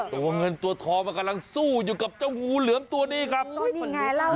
ตัวเงินตัวทองมันกำลังสู้อยู่กับเจ้างูเหลือมตัวนี้ครับ